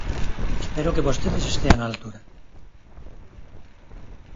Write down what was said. Espero que vostedes estean á altura.